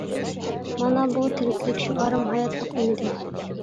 مانا بۇ تىرىكلىك شوئارىم، ھاياتلىق ئۈمىدىم.